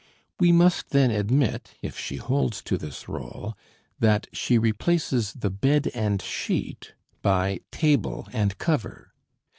We must then admit if she holds to this role that she replaces the bed and sheet by table and cover.